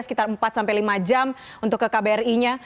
sekitar empat sampai lima jam untuk ke kbri nya